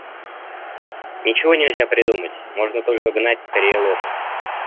Ничего нельзя придумать, можно только гнать скорее лошадь.